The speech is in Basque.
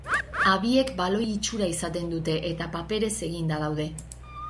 Habiek baloi-itxura izaten dute eta paperez eginda daude.